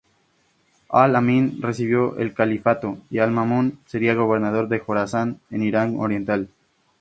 Al-Amín recibiría el califato y Al-Mamún sería gobernador del Jorasán en Irán oriental.